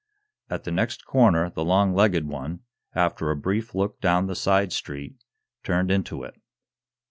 At the next corner the long legged one, after a brief look down the side street, turned into it.